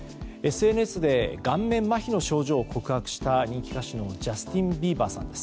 ＳＮＳで顔面まひの症状を告白した人気歌手のジャスティン・ビーバーさん。